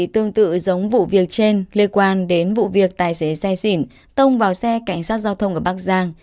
tương tự giống vụ việc trên liên quan đến vụ việc tài xế xe sỉn tông vào xe cảnh sát giao thông ở bắc giang